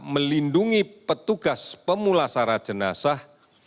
melindungi petugas pemulasara jenazah